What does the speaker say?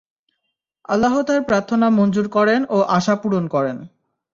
আল্লাহ্ তার প্রার্থনা মঞ্জুর করেন ও আশা পূরণ করেন।